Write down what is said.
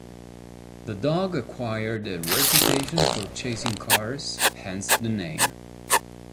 The dog acquired a reputation for chasing cars, hence the name.